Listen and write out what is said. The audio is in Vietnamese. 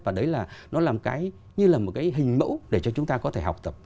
và đấy là nó là một cái như là một cái hình mẫu để cho chúng ta có thể học tập